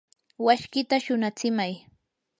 washkita shunatsimay.